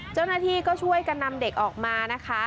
เจ้าหน้าที่ก็ช่วยกันนำเด็กออกมานะคะ